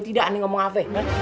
tidak aneh ngomong afek